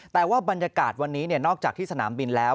แต่ว่าบรรยากาศวันนี้นอกจากที่สนามบินแล้ว